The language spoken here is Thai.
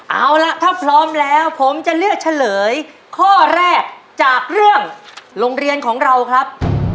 เอาล่ะถ้าพร้อมแล้วผมจะเลือกเฉลยข้อแรกจากเรื่องโรงเรียนของเราครับ